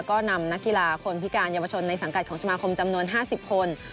ก็นำนักกีฬาคนพิการเยาวชนในสังกัดของสมาคมจำนวน๕๐คน